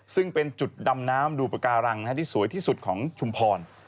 ซึ่งเป็นจุดดำน้ำดูปากการังที่สวยที่สุดของชุมพร